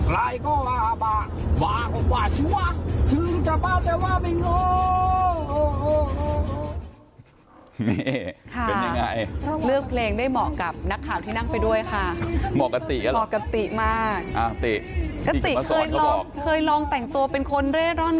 ตายังช่วยบอกให้เธอเจ๋งเย็นตอนที่ฉันเห็นยังมีตังสามล้อทอดละล้อละตัวมาใส่แล้วก็ไปต่อเพียงเธอก็ร้องอ่อ